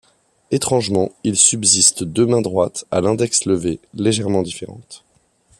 Étrangement, il subsiste deux mains droites, à l'index levé, légèrement différentes.